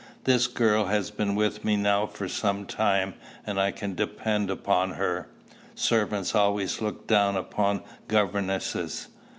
This girl has been with me now for some time, and I can depend upon her. Servants always look down upon governesses."